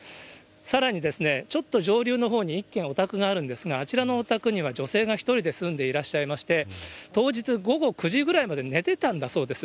さらにちょっと上流のほうに１軒お宅があるんですが、あちらのお宅には女性が１人で住んでいらっしゃいまして、当日、午後９時ぐらいまで寝てたんだそうです。